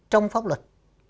trong pháp luật